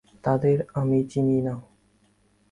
তাদের আমি চিনি না।